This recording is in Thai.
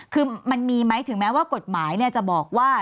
คือมันมีไหมถึงแม้ว่ากฎหมายจะบอกว่า